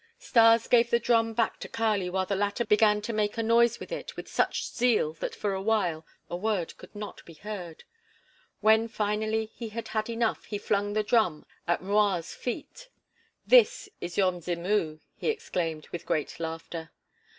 Stas gave the drum back to Kali while the latter began to make a noise with it with such zeal that for a while a word could not be heard. When finally he had enough, he flung the drum at M'Rua's feet. "This is your Mzimu," he exclaimed, with great laughter.